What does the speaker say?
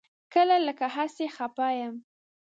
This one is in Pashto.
کله لکه هسې خپه یم.